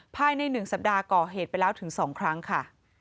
ภายใน๑สัปดาห์ก่อเหตุไปแล้วถึง๒ครั้งค่ะ